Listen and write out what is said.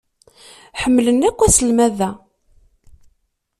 Ḥemmlen akk aselmad-a.